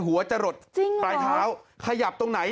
หัวจะหลดปลายเท้าขยับตรงไหน